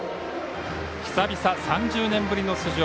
久々、３０年ぶりの出場。